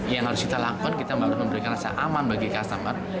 yang harus kita lakukan kita harus memberikan rasa aman bagi customer